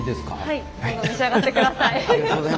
はいどうぞ召し上がってください。